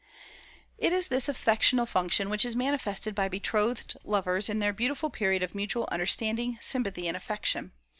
It is this affectional function which is manifested by betrothed lovers in their beautiful period of mutual understanding, sympathy, and affection.